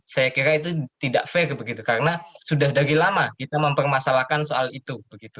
saya kira itu tidak fair begitu karena sudah dari lama kita mempermasalahkan soal itu